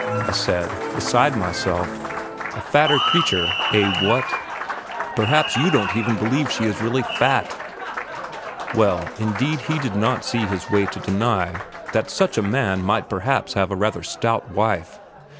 I said, beside myself. "A fatter creature ... Eh? what? Perhaps you don't even believe she is really fat?" Well, indeed he did not see his way to deny that such a man might perhaps have a rather stout wife.